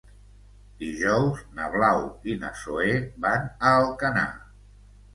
Dijous na Blau i na Zoè van a Alcanar.